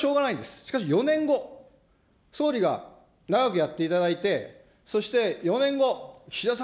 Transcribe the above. しかし４年後、総理が長くやっていただいて、そして４年後、岸田さん